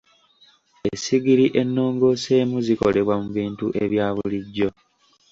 Essigiri enongooseemu zikolebwa mu bintu ebya bulijjo.